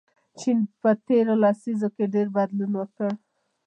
چین په تیرو لسیزو کې ډېر بدلون وکړ.